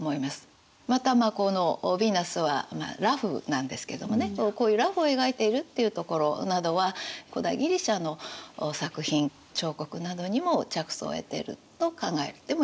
またこの「ヴィーナス」は裸婦なんですけどもねこういう裸婦を描いているっていうところなどは古代ギリシアの作品彫刻などにも着想を得ていると考えてもいいかもしれないですね。